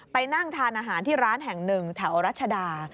นั่งทานอาหารที่ร้านแห่งหนึ่งแถวรัชดา